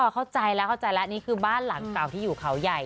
อ๋อเข้าใจแล้วนี่คือบ้านหลังกล่าวที่อยู่เขาใหญ่